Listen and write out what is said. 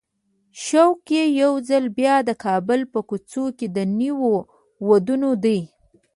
شوق یې یو ځل بیا د کابل په کوڅو کې د نویو وادونو دی.